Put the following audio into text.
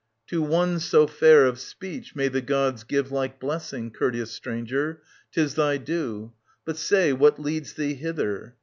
To one so fair of speech may the Gods give Like blessing, courteous stranger ; 'tis thy due. But say what leads thee hither.